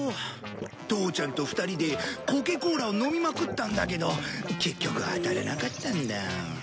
父ちゃんと２人でコケコーラを飲みまくったんだけど結局当たらなかったんだ。